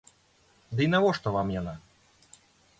Дый навошта вам яна?